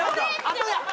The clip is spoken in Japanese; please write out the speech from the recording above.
後や！